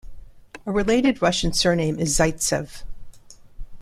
A related Russian surname is Zaytsev.